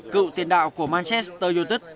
cựu tiền đạo của manchester united